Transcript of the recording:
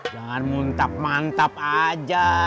jangan muntap mantap aja